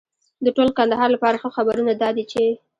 د ټول کندهار لپاره ښه خبرونه دا دي چې